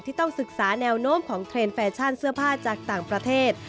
ต้องศึกษาแนวโน้มของเทรนด์แฟชั่นเสื้อผ้าจากต่างประเทศ